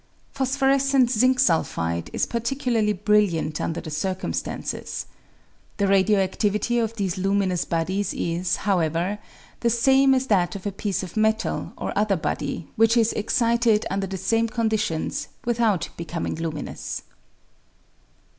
Phos phorescent zinc sulphide is particularly brilliant under the circumstances. The radio adivity of these luminous bodies is, however, the same as that of a piece of a metal or other body which is excited under the same conditions without becoming luminous.